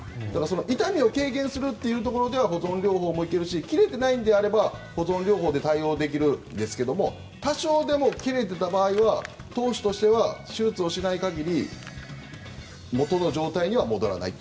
痛みを軽減するというところでは保存療法も行けるし切れていないのであれば保存療法で対応できるんですが多少でも切れていた場合は投手としては手術をしない限り元の状態には戻らないと。